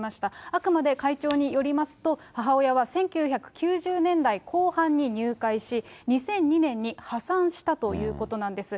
あくまで会長によりますと、母親は１９９０年代後半に入会し、２００２年に破産したということなんです。